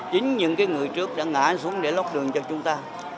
chính những người trước đã ngã xuống để lóc đường cho chúng ta